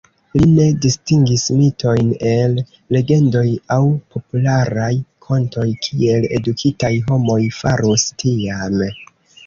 Li ne distingis mitojn el legendoj aŭ popularaj kontoj kiel edukitaj homoj farus tiam.